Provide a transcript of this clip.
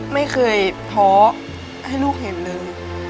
ไม่เคยท้อให้ลูกเห็นเลย